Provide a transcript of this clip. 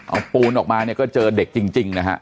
เอาปูนออกมาเนี่ยก็เจอเด็กจริงนะฮะ